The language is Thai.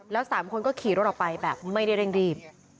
แล้ว๓คนก็ขี่รถออกไปแบบไม่ได้เร่งรีบ